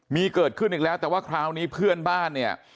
มีเกิดขึ้นอีกแล้วแต่ว่าคราวนี้เพื่อนบ้านเนี่ย